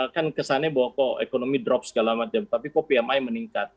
kan kesannya bahwa kok ekonomi drop segala macam tapi kok pmi meningkat